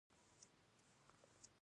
د واده ډوډۍ وریجې وي.